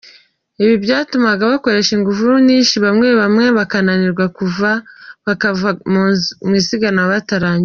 Ibi byatumaga bakoresha ingufu nyinshi, bamwe bamwe bakananirwa vuba bakava mu isiganwa batarangije.